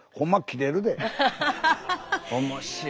面白い。